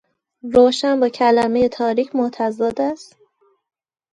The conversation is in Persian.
املای او بد است.